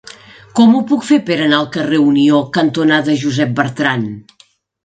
Com ho puc fer per anar al carrer Unió cantonada Josep Bertrand?